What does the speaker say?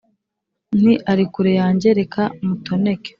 nti " ari kure yanjye reka mutoneke ",